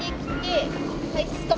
はい。